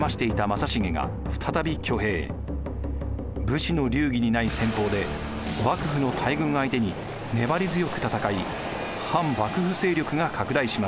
武士の流儀にない戦法で幕府の大軍相手に粘り強く戦い反幕府勢力が拡大します。